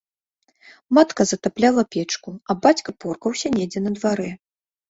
Матка затапляла печку, а бацька поркаўся недзе на дварэ.